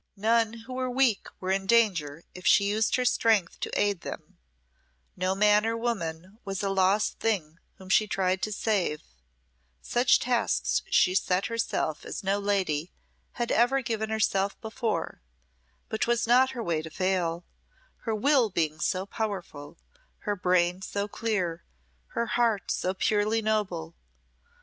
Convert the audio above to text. None who were weak were in danger if she used her strength to aid them; no man or woman was a lost thing whom she tried to save: such tasks she set herself as no lady had ever given herself before; but 'twas not her way to fail her will being so powerful, her brain so clear, her heart so purely noble.